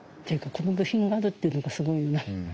この部品があるっていうのがすごいよな。